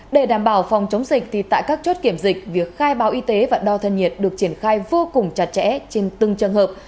để đảm bảo phòng chống dịch thì tại các chốt kiểm dịch việc khai báo y tế và đo thân nhiệt được triển khai vô cùng chặt chẽ trên từng trường hợp